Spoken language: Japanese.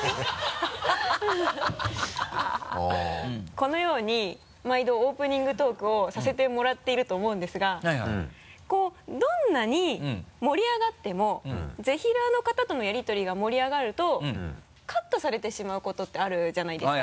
このように毎度オープニングトークをさせてもらっていると思うんですがどんなに盛り上がってもぜひらーの方とのやりとりが盛り上がるとカットされてしまうことってあるじゃないですか。